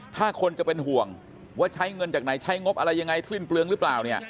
ถ้าคนจะเป็นห่วงว่าใช้เงินจากไหนใช้งบอะไรยังไงสิ้นเปลืองหรือเปล่าเนี่ย